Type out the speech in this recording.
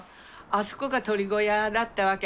あそこが鶏小屋だったわけ。